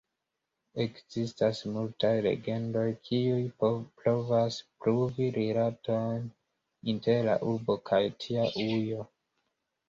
Ekzistas multaj legendoj, kiuj provas pruvi rilaton inter la urbo kaj tia ujo.